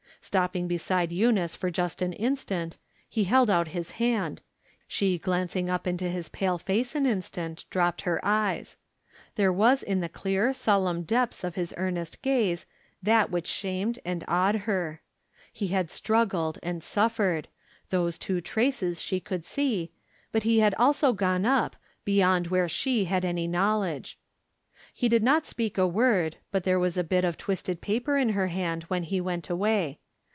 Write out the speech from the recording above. Stopping beside Eu nice for just an instant, he held out his hand ; she glancing up into his pale face an instant, dropped her eyes. There was in the clear, sol emn depths of his earnest gaze that which shamed and awed her. He had struggled and suffered ; those two traces she could see, but he had also gone up, beyond where she had any knowledge. He did not speak a word, but there was a bit of twisted paper in her hand when he went away.